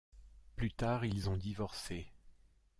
Plus tard ils ont divorcé.